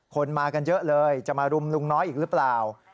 มากันเยอะเลยจะมารุมลุงน้อยอีกหรือเปล่า